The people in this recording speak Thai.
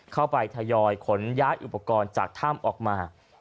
ทยอยขนย้ายอุปกรณ์จากถ้ำออกมา